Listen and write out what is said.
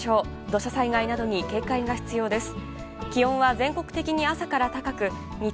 土砂災害などに警戒が必要です。